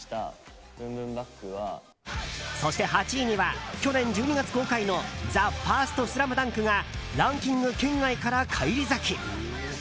そして、８位には去年１２月公開の「ＴＨＥＦＩＲＳＴＳＬＡＭＤＵＮＫ」がランキング圏外から返り咲き。